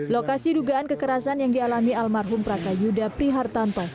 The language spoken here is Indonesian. lokasi dugaan kekerasan yang dialami almarhum prakayuda prihartanto